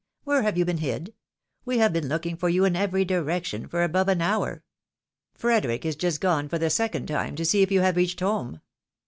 Where have you been hid? We have been looking for you in every direction for above an hour. Frederic is just gone, for the second time, to see if you have reached home